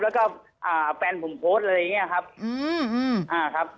แล้วก็อ่าแฟนผมโพสต์อะไรอย่างเงี้ยครับอืมอืมอ่าครับ